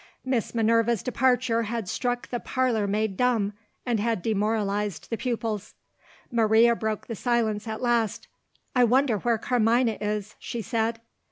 Miss Minerva's departure had struck the parlour maid dumb, and had demoralized the pupils. Maria broke the silence at last. "I wonder where Carmina is?" she said.